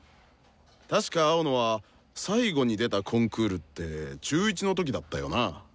確か青野は最後に出たコンクールって中１の時だったよな？